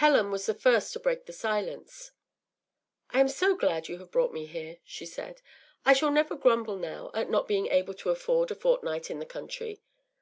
Helen was the first to break the silence. “I am glad you have brought me here,” she said; “I shall never grumble now at not being able to afford a fortnight in the country.